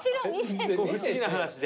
不思議な話で。